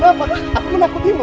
kenapa aku menakutimu